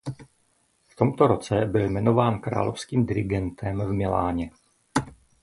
V tomto roce byl jmenován královským dirigentem v Miláně.